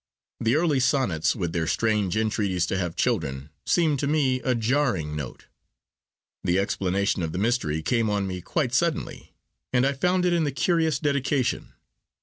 The early sonnets, with their strange entreaties to have children, seemed to me a jarring note. The explanation of the mystery came on me quite suddenly, and I found it in the curious dedication.